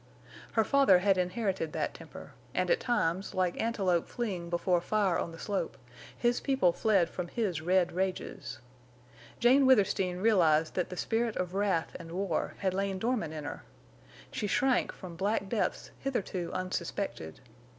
Her father had inherited that temper; and at times, like antelope fleeing before fire on the slope, his people fled from his red rages. Jane Withersteen realized that the spirit of wrath and war had lain dormant in her. She shrank from black depths hitherto unsuspected.